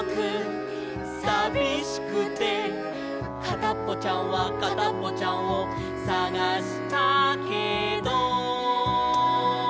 「かたっぽちゃんはかたっぽちゃんをさがしたけど」